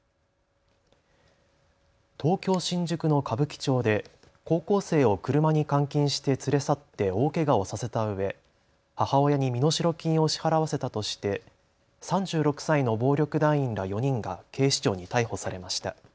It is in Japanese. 東京新宿の歌舞伎町で高校生を車に監禁して連れ去って大けがをさせたうえ母親に身代金を支払わせたとして３６歳の暴力団員ら４人が警視庁に逮捕されました。